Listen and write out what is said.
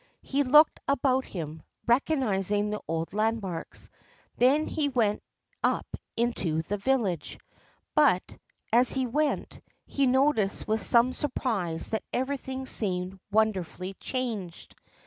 He looked about him, recognising the old landmarks. Then he went up into the village ; but, as he went, he noticed with some surprise that everything seemed wonderfully dianged.